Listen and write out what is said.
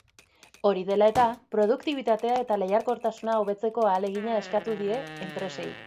Hori dela eta, produktibitatea eta lehiakortasuna hobetzeko ahalegina eskatu die enpresei.